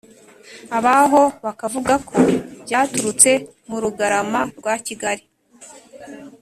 abaho bakavuga ko byaturutse mu rugarama, rwa kigali